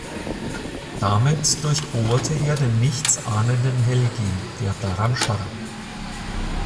Damit durchbohrte er den nichtsahnenden Helgi, der daran starb.